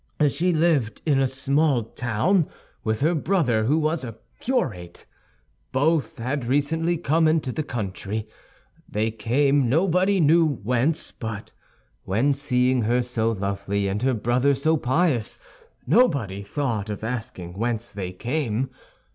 She lived in a small town with her brother, who was a curate. Both had recently come into the country. They came nobody knew whence; but when seeing her so lovely and her brother so pious, nobody thought of asking whence they came.